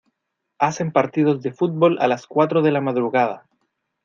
Hacen partidos de fútbol a las cuatro de la madrugada.